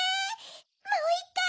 もういっかい！